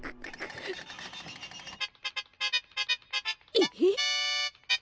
えっ？